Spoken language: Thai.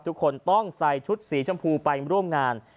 ทุกคนต้องใส่ชุดสีชมพูไปร่วมงาน